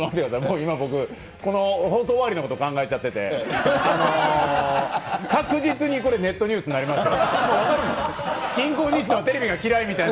今、僕、この放送終わりのこと考えちゃってて、確実にこれ、ネットニュースになりますよ。